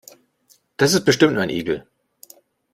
Das ist bestimmt nur ein Igel.